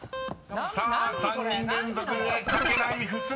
［さあ３人連続で書けない「フスマ」］